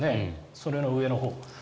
それの上のほう。